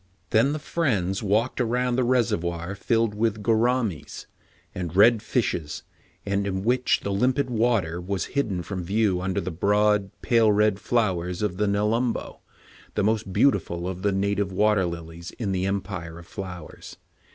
Then the friends walked around the reser voir filled with "gouramis'' and red fishes, and in which the limpid water was hidden from view under the broad, pale red flowers of the "nelum bo," the most beautiful of the native water lilies in the Empire of Flowers.